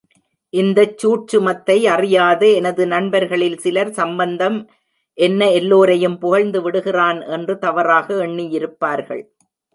இந்தச் சூட்சுமத்தை அறியாத எனது நண்பர்களில் சிலர் சம்பந்தம் என்ன எல்லோரையும் புகழ்ந்து விடுகிறான்! என்று தவறாக எண்ணியிருப்பார்கள்.